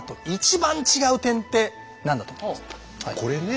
これね